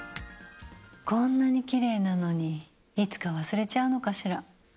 こんなにきれいなのにいつか忘れちゃうのかしら。